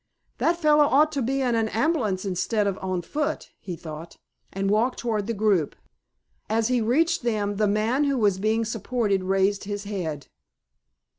"That fellow ought to be in an ambulance instead of on foot," he thought, and walked toward the group. As he reached them the man who was being supported raised his head.